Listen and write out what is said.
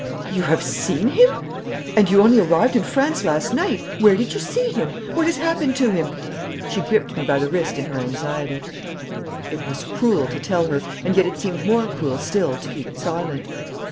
'You have seen him! And you only arrived in France last night. Where did you see him? What has happened to him?' She gripped me by the wrist in her anxiety. It was cruel to tell her, and yet it seemed more cruel still to keep silent.